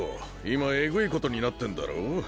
今えぐいことになってんだろ？